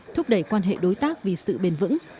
thúc đẩy quan hệ đối tác vì sự bền vững